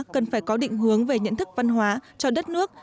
cần phải có định hướng về nhận thức văn hóa cho đất nước